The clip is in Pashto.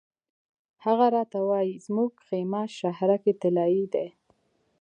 هغه راته وایي زموږ خیمه شهرک طلایي دی.